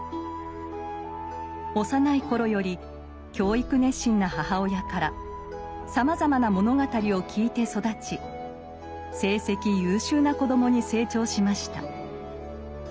幼い頃より教育熱心な母親からさまざまな物語を聞いて育ち成績優秀な子供に成長しました。